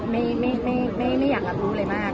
ไม่อยากรับรู้อะไรมาก